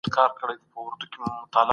اسلام خلګو ته د سولي پيغام ورکوي.